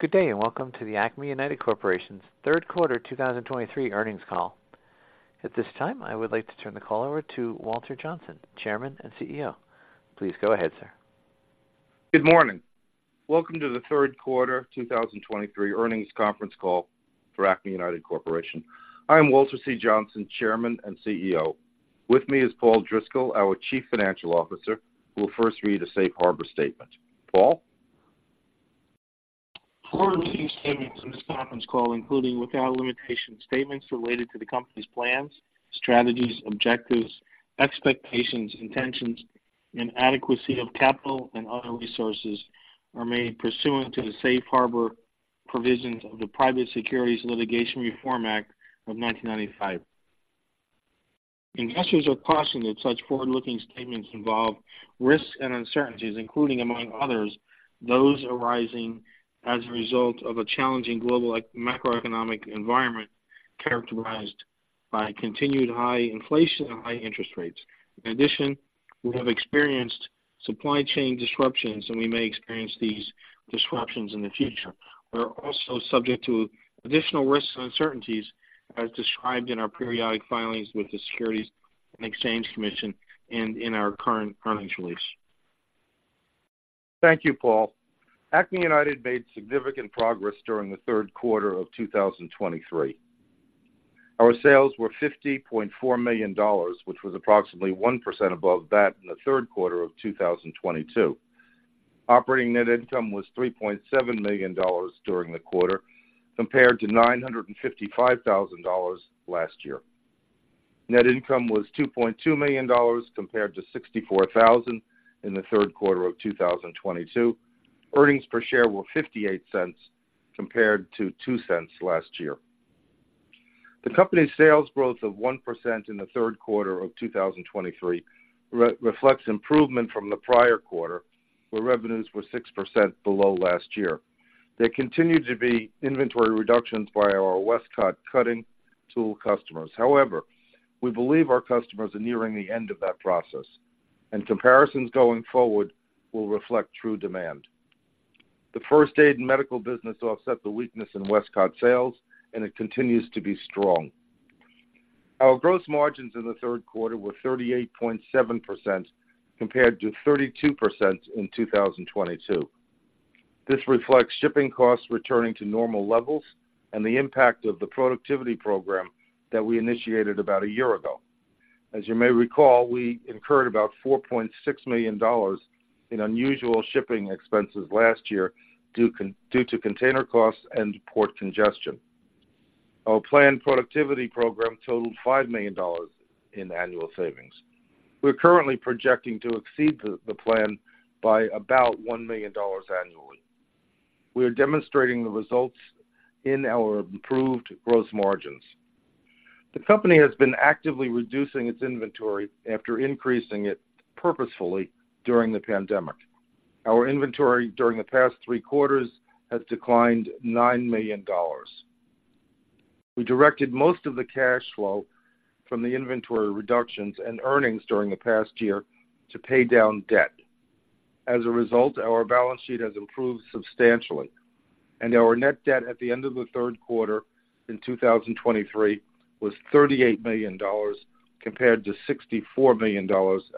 Good day, and welcome to the Acme United Corporation's third quarter 2023 earnings call. At this time, I would like to turn the call over to Walter Johnson, Chairman and CEO. Please go ahead, sir. Good morning. Welcome to the third quarter 2023 earnings conference call for Acme United Corporation. I am Walter C. Johnsen, Chairman and CEO. With me is Paul Driscoll, our Chief Financial Officer, who will first read a Safe Harbor statement. Paul? Forward-looking statements in this conference call, including, without limitation, statements related to the company's plans, strategies, objectives, expectations, intentions, and adequacy of capital and other resources, are made pursuant to the Safe Harbor Provisions of the Private Securities Litigation Reform Act of 1995. Investors are cautioned that such forward-looking statements involve risks and uncertainties, including, among others, those arising as a result of a challenging global macroeconomic environment characterized by continued high inflation and high interest rates. In addition, we have experienced supply chain disruptions, and we may experience these disruptions in the future. We are also subject to additional risks and uncertainties as described in our periodic filings with the Securities and Exchange Commission and in our current earnings release. Thank you, Paul. Acme United made significant progress during the third quarter of 2023. Our sales were $50.4 million, which was approximately 1% above that in the third quarter of 2022. Operating net income was $3.7 million during the quarter, compared to $955,000 last year. Net income was $2.2 million, compared to $64,000 in the third quarter of 2022. Earnings per share were $0.58, compared to $0.02 last year. The company's sales growth of 1% in the third quarter of 2023 reflects improvement from the prior quarter, where revenues were 6% below last year. There continued to be inventory reductions by our Westcott cutting tool customers. However, we believe our customers are nearing the end of that process, and comparisons going forward will reflect true demand. The first aid and medical business offset the weakness in Westcott sales, and it continues to be strong. Our gross margins in the third quarter were 38.7%, compared to 32% in 2022. This reflects shipping costs returning to normal levels and the impact of the productivity program that we initiated about a year ago. As you may recall, we incurred about $4.6 million in unusual shipping expenses last year, due to container costs and port congestion. Our planned productivity program totaled $5 million in annual savings. We're currently projecting to exceed the plan by about $1 million annually. We are demonstrating the results in our improved gross margins. The company has been actively reducing its inventory after increasing it purposefully during the pandemic. Our inventory during the past three quarters has declined $9 million. We directed most of the cash flow from the inventory reductions and earnings during the past year to pay down debt. As a result, our balance sheet has improved substantially, and our net debt at the end of the third quarter in 2023 was $38 million, compared to $64 million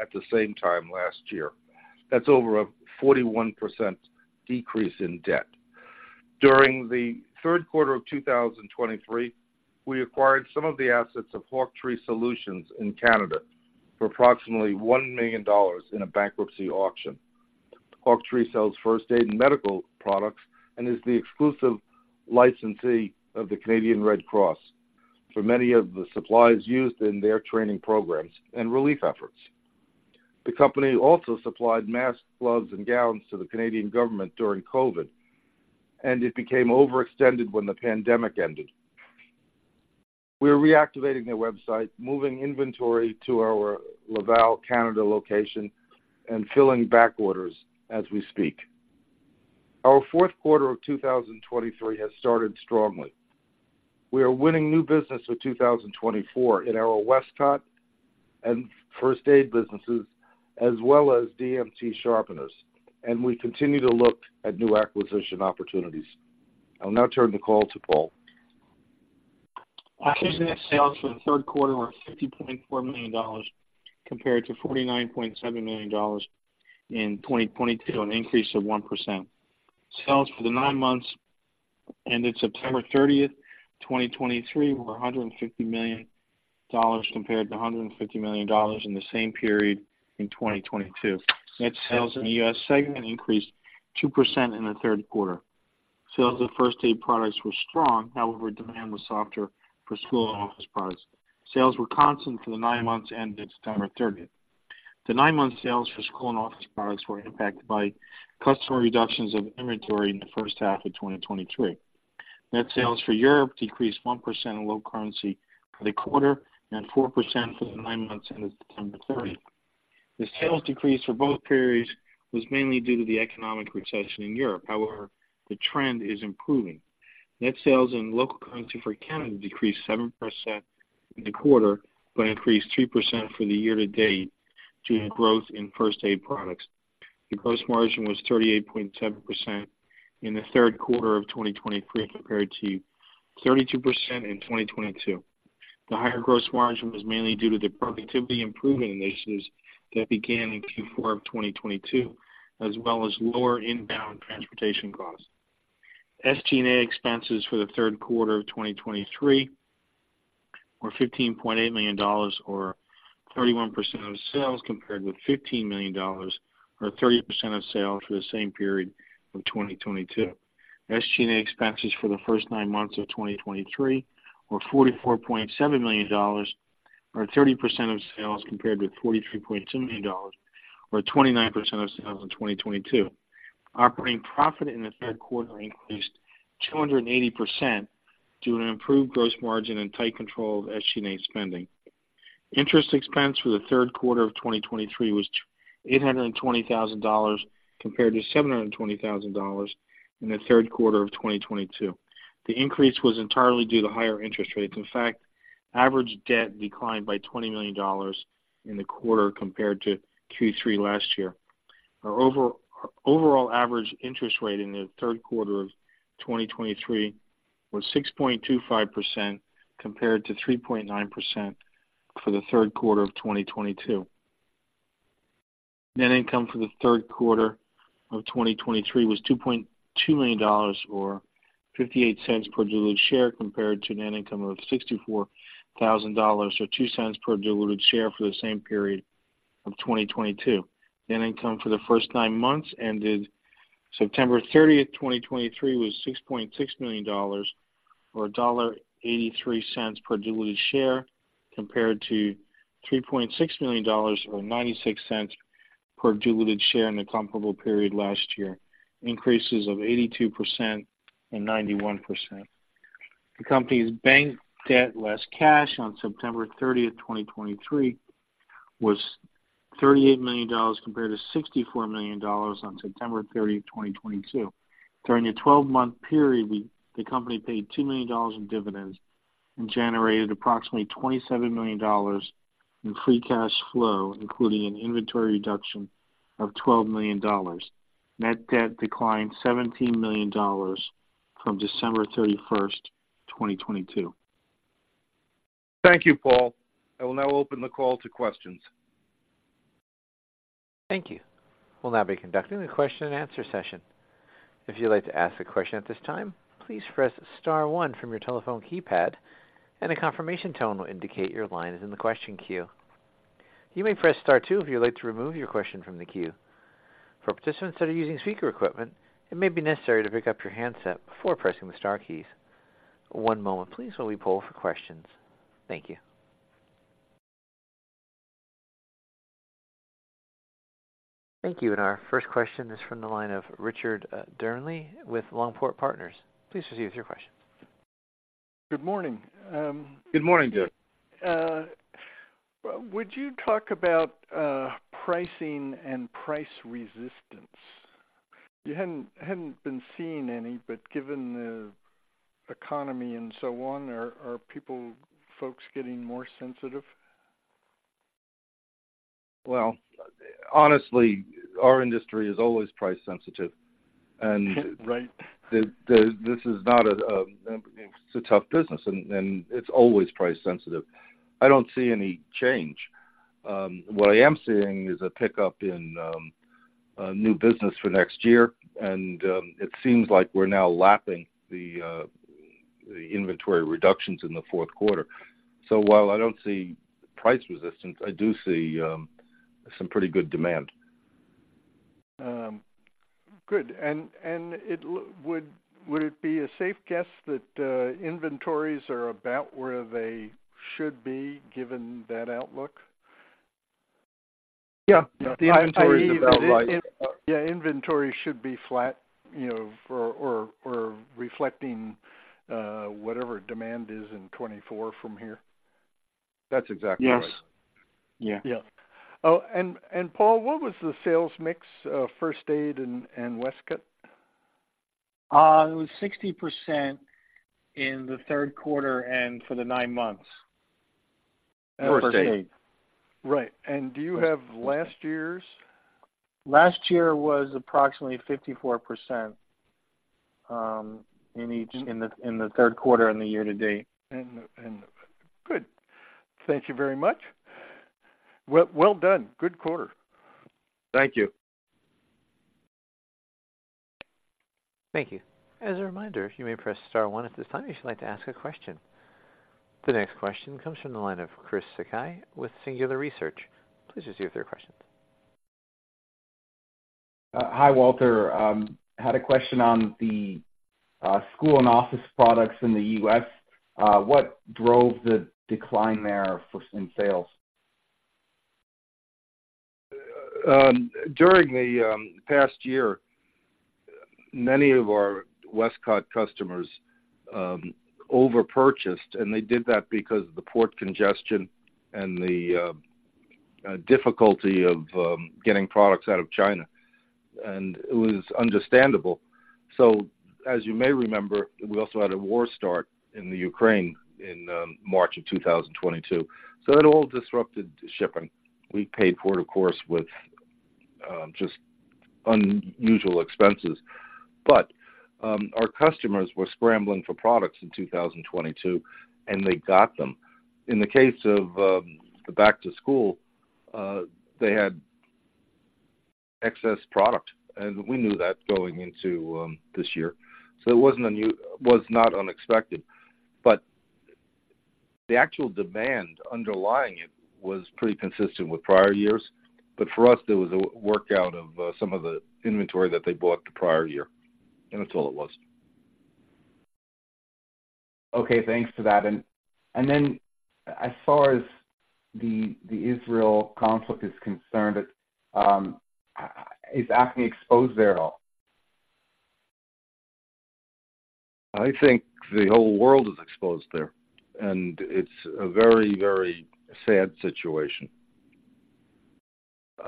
at the same time last year. That's over a 41% decrease in debt. During the third quarter of 2023, we acquired some of the assets of Hawktree Solutions in Canada for approximately $1 million in a bankruptcy auction. Hawktree sells first aid and medical products and is the exclusive licensee of the Canadian Red Cross for many of the supplies used in their training programs and relief efforts. The company also supplied masks, gloves, and gowns to the Canadian government during COVID, and it became overextended when the pandemic ended. We are reactivating their website, moving inventory to our Laval, Canada, location, and filling back orders as we speak. Our fourth quarter of 2023 has started strongly. We are winning new business for 2024 in our Westcott and first aid businesses, as well as DMT sharpeners, and we continue to look at new acquisition opportunities. I'll now turn the call to Paul. Acme net sales for the third quarter were $50.4 million, compared to $49.7 million in 2022, an increase of 1%. Sales for the nine months ended September 30, 2023, were $150 million, compared to $150 million in the same period in 2022. Net sales in the U.S. segment increased 2% in the third quarter. Sales of first aid products were strong. However, demand was softer for school and office products. Sales were constant for the nine months ended September 30. The nine-month sales for school and office products were impacted by customer reductions of inventory in the first half of 2023. Net sales for Europe decreased 1% in local currency for the quarter and 4% for the nine months ended September 30. The sales decrease for both periods was mainly due to the economic recession in Europe. However, the trend is improving. Net sales in local currency for Canada decreased 7% in the quarter, but increased 3% for the year-to-date due to growth in first aid products. The gross margin was 38.7% in the third quarter of 2023, compared to 32% in 2022. The higher gross margin was mainly due to the productivity improving initiatives that began in Q4 of 2022, as well as lower inbound transportation costs. SG&A expenses for the third quarter of 2023 were $15.8 million, or 31% of sales, compared with $15 million, or 30% of sales for the same period of 2022. SG&A expenses for the first nine months of 2023 were $44.7 million, or 30% of sales, compared with $43.2 million, or 29% of sales in 2022. Operating profit in the third quarter increased 280% due to an improved gross margin and tight control of SG&A spending. Interest expense for the third quarter of 2023 was eight hundred and twenty thousand dollars, compared to $720,000 in the third quarter of 2022. The increase was entirely due to higher interest rates. In fact, average debt declined by $20 million in the quarter compared to Q3 last year. Our overall average interest rate in the third quarter of 2023 was 6.25%, compared to 3.9% for the third quarter of 2022. Net income for the third quarter of 2023 was $2.2 million or $0.58 per diluted share, compared to net income of $64,000, or $0.02 per diluted share for the same period of 2022. Net income for the first nine months ended September 30, 2023, was $6.6 million or $1.83 per diluted share, compared to $3.6 million, or $0.96 per diluted share in the comparable period last year, increases of 82% and 91%. The company's bank debt, less cash on September 30, 2023, was $38 million, compared to $64 million on September 30, 2022. During a 12-month period, the company paid $2 million in dividends and generated approximately $27 million in free cash flow, including an inventory reduction of $12 million. Net debt declined $17 million from December 31, 2022. Thank you, Paul. I will now open the call to questions. Thank you. We'll now be conducting a question-and-answer session. If you'd like to ask a question at this time, please press star one from your telephone keypad, and a confirmation tone will indicate your line is in the question queue. You may press star two if you'd like to remove your question from the queue. For participants that are using speaker equipment, it may be necessary to pick up your handset before pressing the star keys. One moment please, while we poll for questions. Thank you. Thank you. And our first question is from the line of Richard Dearnley with Longport Partners. Please proceed with your question. Good morning. Good morning, Jeff. Would you talk about pricing and price resistance? You hadn't been seeing any, but given the economy and so on, are people, folks getting more sensitive? Well, honestly, our industry is always price sensitive, and- Right. This is not a... It's a tough business, and it's always price sensitive. I don't see any change. What I am seeing is a pickup in new business for next year, and it seems like we're now lapping the inventory reductions in the fourth quarter. So while I don't see price resistance, I do see some pretty good demand. Good. And would it be a safe guess that inventories are about where they should be, given that outlook? Yeah. The inventory is about like- Yeah, inventory should be flat, you know, or reflecting whatever demand is in 2024 from here. That's exactly right. Yes. Yeah. Yeah. Oh, and, and Paul, what was the sales mix of first aid and, and Westcott? It was 60% in the third quarter, and for the nine months. First aid. First aid. Right. And do you have last year's? Last year was approximately 54%, in each, in the third quarter and the year to date. Good. Thank you very much. Well done. Good quarter. Thank you. Thank you. As a reminder, you may press star one at this time, if you'd like to ask a question. The next question comes from the line of Chris Sakai with Singular Research. Please proceed with your questions. Hi, Walter. Had a question on the school and office products in the U.S.. What drove the decline there in sales? During the past year, many of our Westcott customers overpurchased, and they did that because of the port congestion and the,... A difficulty of getting products out of China, and it was understandable. So as you may remember, we also had a war start in Ukraine in March 2022. So it all disrupted shipping. We paid for it, of course, with just unusual expenses. But our customers were scrambling for products in 2022, and they got them. In the case of the back to school, they had excess product, and we knew that going into this year. So it wasn't a new was not unexpected, but the actual demand underlying it was pretty consistent with prior years. But for us, there was a workout of some of the inventory that they bought the prior year, and that's all it was. Okay, thanks for that. And then as far as the Israel conflict is concerned, it is Acme exposed there at all? I think the whole world is exposed there, and it's a very, very sad situation.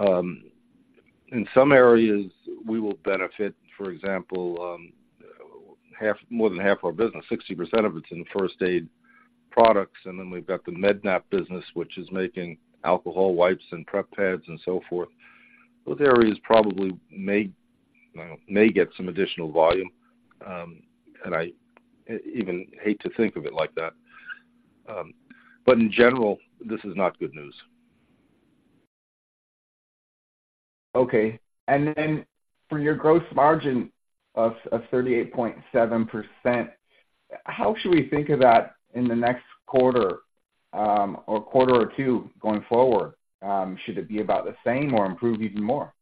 In some areas we will benefit. For example, more than half of our business, 60% of it, is in first aid products, and then we've got the Med-Nap business, which is making alcohol wipes and prep pads and so forth. Those areas probably may get some additional volume, and I even hate to think of it like that. But in general, this is not good news. Okay. And then for your gross margin of, of 38.7%, how should we think of that in the next quarter, or quarter or two going forward? Should it be about the same or improve even more?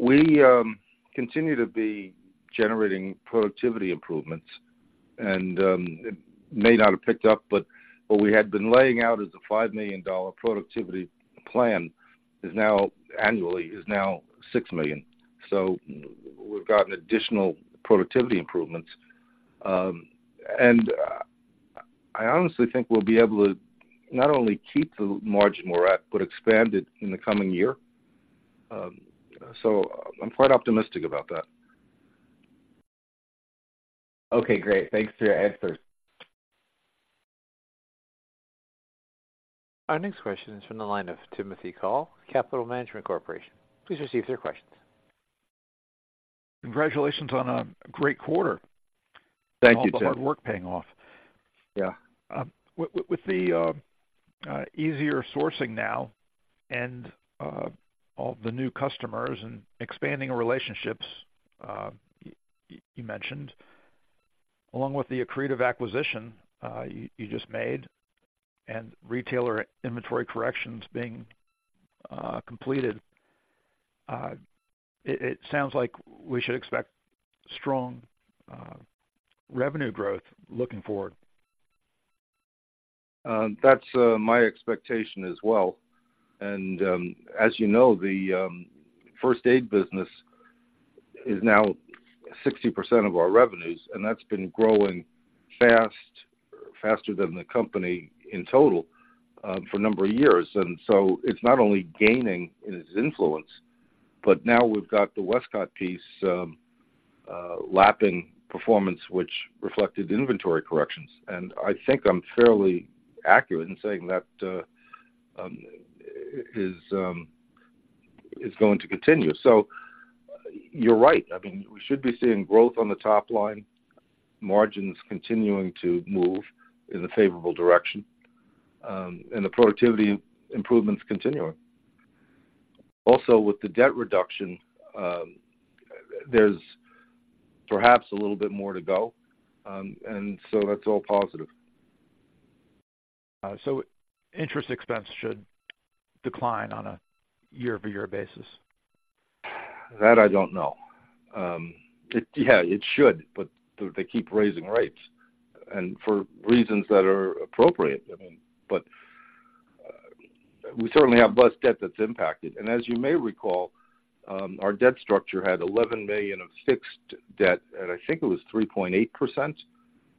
We continue to be generating productivity improvements, and it may not have picked up, but what we had been laying out as a $5 million productivity plan is now annually $6 million. So we've gotten additional productivity improvements. And I honestly think we'll be able to not only keep the margin where at, but expand it in the coming year. So I'm quite optimistic about that. Okay, great. Thanks for your answers. Our next question is from the line of Timothy Call, Capital Management Corporation. Please proceed with your questions. Congratulations on a great quarter. Thank you, Tim. All the hard work paying off. Yeah. With the easier sourcing now and all the new customers and expanding relationships, you mentioned, along with the accretive acquisition, you just made, and retailer inventory corrections being completed, it sounds like we should expect strong revenue growth looking forward. That's my expectation as well. And as you know, the first aid business is now 60% of our revenues, and that's been growing fast, faster than the company in total, for a number of years. And so it's not only gaining in its influence, but now we've got the Westcott piece, lapping performance, which reflected inventory corrections. And I think I'm fairly accurate in saying that is going to continue. So you're right. I mean, we should be seeing growth on the top line, margins continuing to move in a favorable direction, and the productivity improvements continuing. Also, with the debt reduction, there's perhaps a little bit more to go, and so that's all positive. So, interest expense should decline on a year-over-year basis? That I don't know. It, yeah, it should, but they keep raising rates and for reasons that are appropriate. I mean, but, we certainly have less debt that's impacted. And as you may recall, our debt structure had $11 million of fixed debt, and I think it was 3.8%,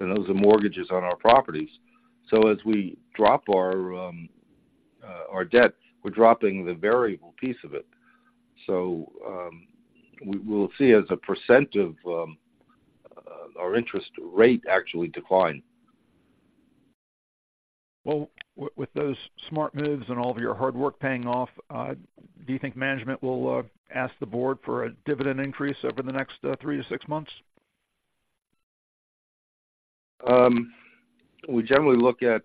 and those are mortgages on our properties. So as we drop our, our debt, we're dropping the variable piece of it. So, we'll see as a percent of, our interest rate actually decline. Well, with those smart moves and all of your hard work paying off, do you think management will ask the board for a dividend increase over the next three to six months? We generally look at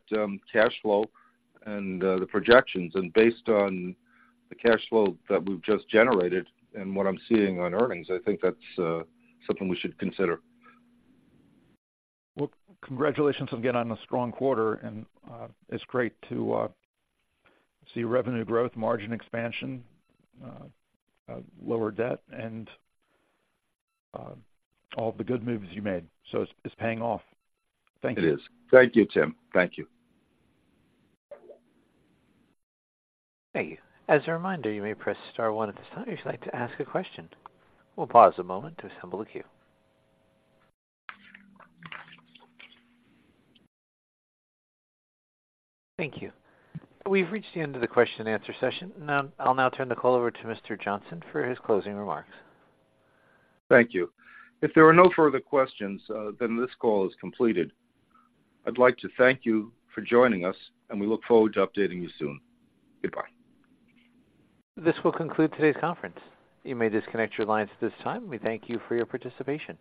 cash flow and the projections. Based on the cash flow that we've just generated and what I'm seeing on earnings, I think that's something we should consider. Well, congratulations again on the strong quarter, and it's great to see revenue growth, margin expansion, lower debt, and all the good moves you made. So it's paying off. Thank you. It is. Thank you, Tim. Thank you. Thank you. As a reminder, you may press star one at this time if you'd like to ask a question. We'll pause a moment to assemble the queue. Thank you. We've reached the end of the question-and-answer session. Now, I'll turn the call over to Mr. Johnson for his closing remarks. Thank you. If there are no further questions, then this call is completed. I'd like to thank you for joining us, and we look forward to updating you soon. Goodbye. This will conclude today's conference. You may disconnect your lines at this time. We thank you for your participation.